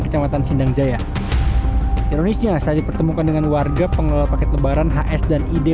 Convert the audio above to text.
kecamatan sindangjaya ironisnya saya dipertemukan dengan warga pengerompaknya tebaran hs dan ide